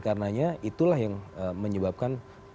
karenanya itulah yang menyebabkan